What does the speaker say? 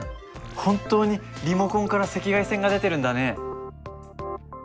本当にリモコンから赤外線が出てるんだね。